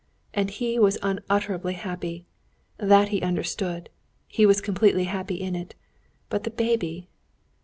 And he was unutterably happy. That he understood; he was completely happy in it. But the baby?